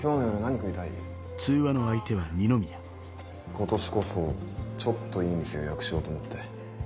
今年こそちょっといい店予約しようと思って。